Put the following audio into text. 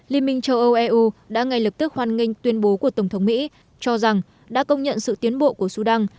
liên minh châu âu eu đã ngay lập tức hoan nghênh tuyên bố của tổng thống mỹ cho rằng đã công nhận sự tiến bộ của sudan